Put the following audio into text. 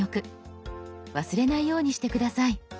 忘れないようにして下さい。